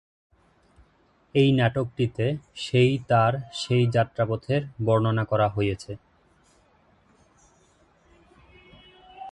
এই নাটকটিতে সেই তাঁর সেই যাত্রাপথের বর্ণনা করা হয়েছে।